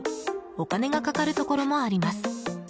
お金がかかるところもあります。